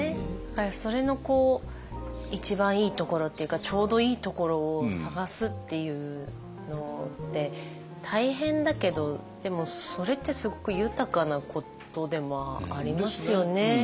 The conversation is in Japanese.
だからそれの一番いいところっていうかちょうどいいところを探すっていうのって大変だけどでもそれってすごく豊かなことでもありますよね。